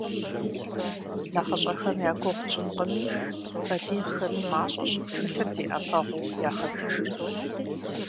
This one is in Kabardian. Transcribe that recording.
НэхъыщӀэхэм я гугъу тщӀынкъыми, балигъхэми мащӀэщ тхылъыр зи Ӏэпэгъуу яхэтыжыр.